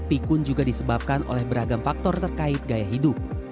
pikun juga disebabkan oleh beragam faktor terkait gaya hidup